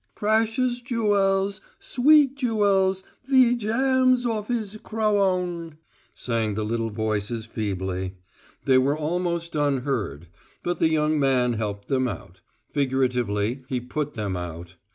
"Prashus joowuls, sweet joowuls, thee jams off iz crowowun," sang the little voices feebly. They were almost unheard; but the young man helped them out: figuratively, he put them out.